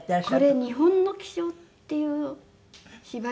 これ『日本の気象』っていう芝居じゃないかな？